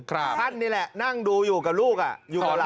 ท่านนี่แหละนั่งดูอยู่กับลูกอยู่กับหลาน